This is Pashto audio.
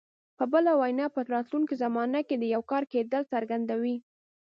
په بله وینا په راتلونکي زمانه کې د یو کار کېدل څرګندوي.